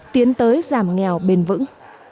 tiến tới giảm nghèo bền vững